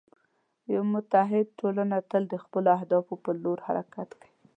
یوه متعهد ټولنه تل د خپلو هدفونو په لور حرکت کوي.